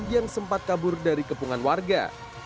yang sempat kabur dari kepungan warga